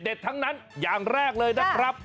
ทั้งนั้นอย่างแรกเลยนะครับ